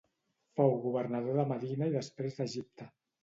Fou governador de Medina i després d'Egipte.